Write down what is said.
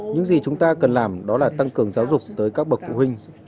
những gì chúng ta cần làm đó là tăng cường giáo dục tới các bậc phụ huynh